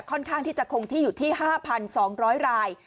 ค่อนข้างที่จะคงที่อยู่ที่๕๒๐๐ราย